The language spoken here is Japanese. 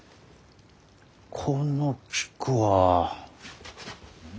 この菊は？